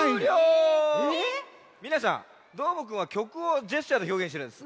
みなさんどーもくんはきょくをジェスチャーでひょうげんしてるんです。